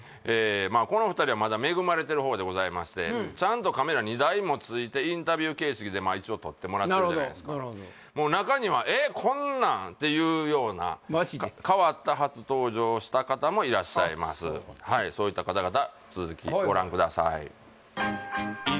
この２人はまだ恵まれてるほうでございましてちゃんとカメラ２台もついてインタビュー形式で一応撮ってもらってるじゃないですか中にはえっこんなん？っていうようなマジで？もいらっしゃいますそういった方々続きご覧ください